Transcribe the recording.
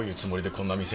こんな店？